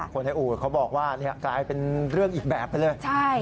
คนในอู่เขาบอกว่ากลายเป็นเรื่องอีกแบบไปเลย